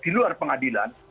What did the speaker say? di luar pengadilan